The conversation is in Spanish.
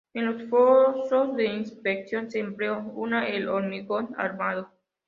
En los fosos de inspección se empleó una el hormigón armado.